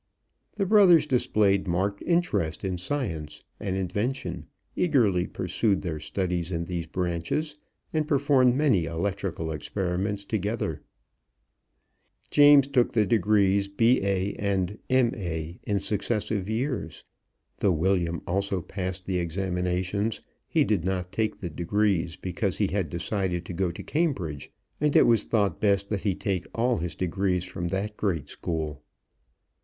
The brothers displayed marked interest in science and invention, eagerly pursued their studies in these branches, and performed many electrical experiments together. [Illustration: CYRUS W. FIELD] [Illustration: WILLIAM THOMSON (LORD KELVIN)] James took the degrees B.A. and M.A. in successive years. Though William also passed the examinations, he did not take the degrees, because he had decided to go to Cambridge, and it was thought best that he take all his degrees from that great school.